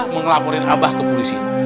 mengelaporin aba ke polisi